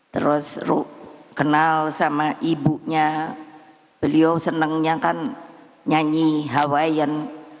terus kenal sama ibunya beliau senangnya kan nyanyi hawaian